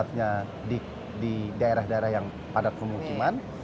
program yang sifatnya di daerah daerah yang padat pemukiman